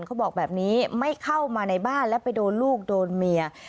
เขาบอกแบบนี้ไม่เข้ามาในบ้านแล้วไปโดนลูกโดนเมีย